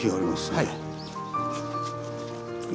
はい。